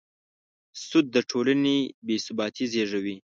سود د ټولنې بېثباتي زېږوي.